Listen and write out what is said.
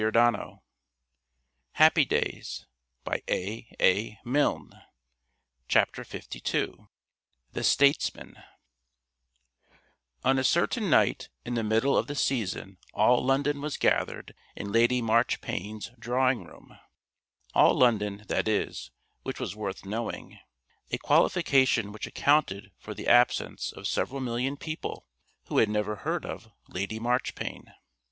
Personally I should like to see him knighted. LII. THE STATESMAN On a certain night in the middle of the season all London was gathered in Lady Marchpane's drawing room; all London, that is, which was worth knowing a qualification which accounted for the absence of several million people who had never heard of Lady Marchpane.